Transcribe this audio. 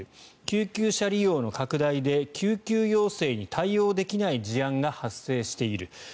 救急車利用の拡大で救急要請に対応できない事案が発生している。